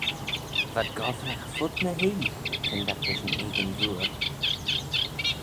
V'ad gobbragh fud ny hoie kindagh rish yn egin vooar.